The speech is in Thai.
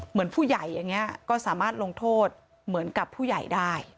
เหมือนผู้ใหญ่อย่างนี้ก็สามารถลงโทษเหมือนกับผู้ใหญ่ได้